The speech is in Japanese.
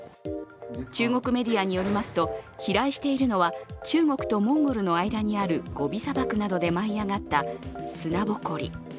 中国メディアによりますと飛来しているのは中国とモンゴルの間にあるゴビ砂漠などで舞い上がった砂ぼこり。